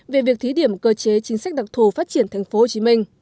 về việc thí điểm cơ chế chính sách đặc thù phát triển thành phố hồ chí minh